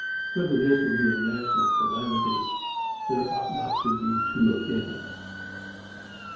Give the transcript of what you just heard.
Whether this will be a national calamity there ought not to be two opinions.